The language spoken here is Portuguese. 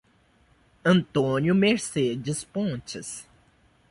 Antônio Mercedes Pontes